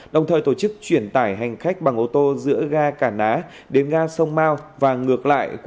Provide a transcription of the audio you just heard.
đồng thời tổ chức chuyển tải hành khách bằng ô tô giữa ga cả ná đến ga sông mao và ngược lại